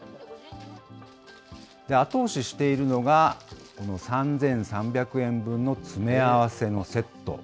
後押ししているのが、この３３００円分の詰め合わせのセット。